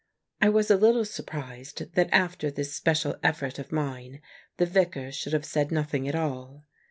I was a little surprised that after this special effort of mine the Vicar should have said nothing at all.